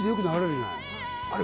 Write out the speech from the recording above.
あれ。